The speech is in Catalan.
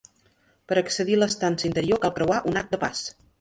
Per accedir a l'estança interior cal creuar un arc de pas.